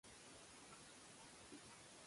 It was named for the settler Carthage Kendall.